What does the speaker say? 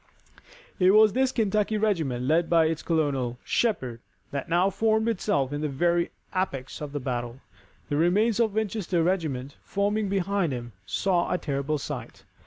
It was this Kentucky regiment, led by its colonel, Shepherd, that now formed itself in the very apex of the battle. The remains of the Winchester regiment, forming behind it, saw a terrible sight.